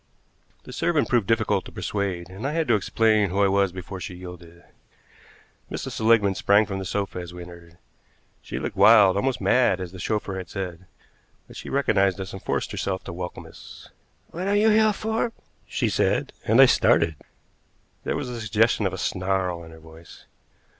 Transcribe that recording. The servant proved difficult to persuade, and I had to explain who I was before she yielded. Mrs. Seligmann sprang from the sofa as we entered. She looked wild, almost mad, as the chauffeur had said, but she recognized us and forced herself to welcome us. "What are you here for?" she said, and I started. There was the suggestion of a snarl in her voice.